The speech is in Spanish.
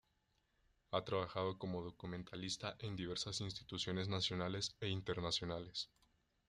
Ha trabajado como documentalista en diversas instituciones nacionales e internacionales.